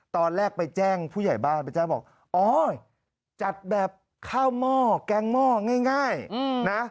ตอนแรกไปแจ้งผู้ใหญ่บ้านไปแจ้งบอกอ๋อจัดแบบข้าวหม้อแกงหม้อง่ายนะ